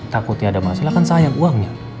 takut ya ada masalah kan sayang uangnya